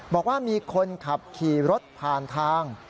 บอกว่ามีคนขับขี่รถผ่านทาง